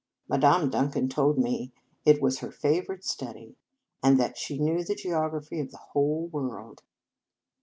" Madame Dun can told me it was her favourite study, and that she knew the geography of the whole world."